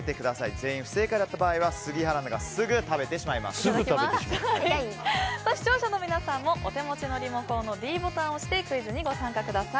全員不正解だったら杉原アナが視聴者の皆さんもお手持ちのリモコンのボタンを押してクイズに参加してください。